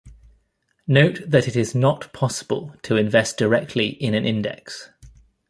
Note that it is not possible to invest directly in an index.